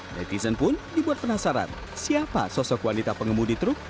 netizen pun dibuat penasaran siapa sosok wanita pengemudi truk